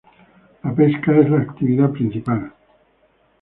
La pesca es la actividad principal.